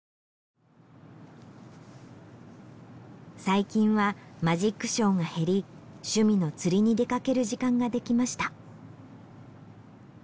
最近はマジックショーが減り趣味の釣りに出かける時間ができました。